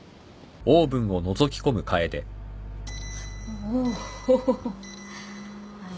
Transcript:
おお。